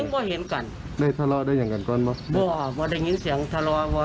ก็เห็นกันได้ทะเลาะได้อย่างกันก่อนไหมว่าพอได้ยินเสียงทะเลาะ